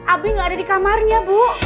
abi gak ada di kamarnya bu